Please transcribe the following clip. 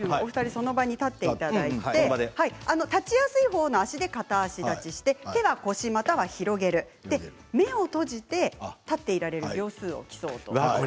その場に立っていただいて立ちやすいほうの足で片足立ちをして手は腰または広げる目を閉じて立っていられる秒数を競います。